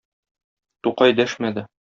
Тукай дәшмәде.